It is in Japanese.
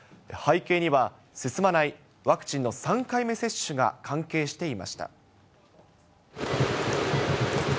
背景には、進まないワクチンの３回目接種が関係していました。